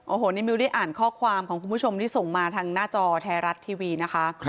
โอ้โหนี่มิวได้อ่านข้อความของคุณผู้ชมที่ส่งมาทางหน้าจอไทยรัฐทีวีนะคะ